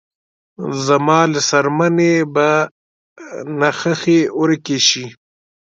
زما له څرمنې به نخښې ورکې شې